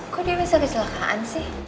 kok dia bisa kecelakaan sih